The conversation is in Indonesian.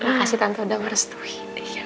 makasih tante udah merestui